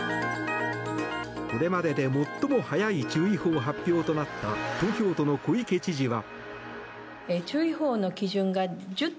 これまでで最も早い注意報発表となった東京都の小池知事は。